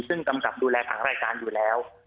ซึ่งกำกับดูแลทางรายการอยู่แล้ว